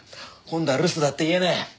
今度は留守だって言えねえ。